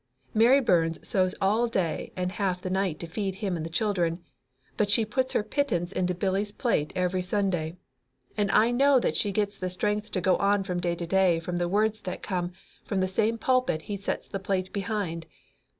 Mary Burns sews all day and half the night to feed him and the children, but she puts her pittance into Billy's plate every Sunday, and I know that she gets the strength to go on from day to day from the words that come from the same pulpit he sets the plate behind.